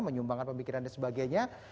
menyumbangkan pemikiran dan sebagainya